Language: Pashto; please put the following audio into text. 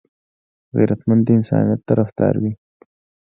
غیرتمند د انسانيت طرفدار وي